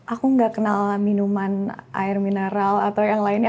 aku nggak kenal minuman air mineral atau yang lainnya